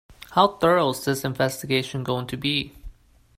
How thorough is this investigation going to be?